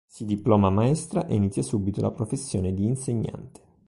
Si diploma maestra e inizia subito la professione di insegnante.